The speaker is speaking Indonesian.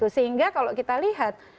sehingga kalau kita lihat